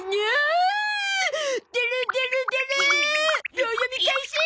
秒読み開始。